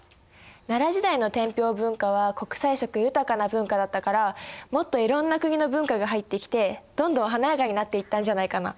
奈良時代の天平文化は国際色豊かな文化だったからもっといろんな国の文化が入ってきてどんどん華やかになっていったんじゃないかな。